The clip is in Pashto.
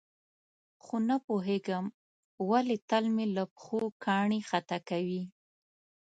خو نه پوهېږم ولې تل مې له پښو کاڼي خطا کوي.